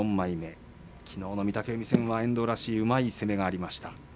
きのうの御嶽海戦は、遠藤らしいうまい相撲がありました。